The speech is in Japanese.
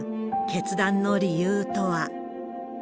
決断の理由とは。